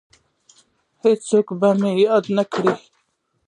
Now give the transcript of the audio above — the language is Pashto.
هیڅوک به مې یاد نه کړي